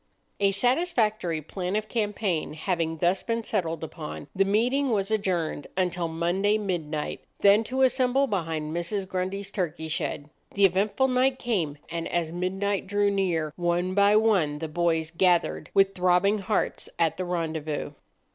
A satisfactory plan of campaign having thus been settled upon, the meeting was adjourned until Monday midnight, then to assemble behind Mrs. Grundy's turkey shed. The eventful night came; and as midnight drew near, one by one the boys gathered with throbbing hearts at the rendezvous.